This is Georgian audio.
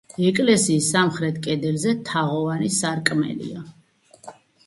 ეკლესიის სამხრეთ კედელში თაღოვანი სარკმელია.